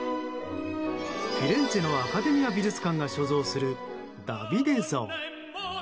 フィレンツェのアカデミア美術館が所蔵するダビデ像。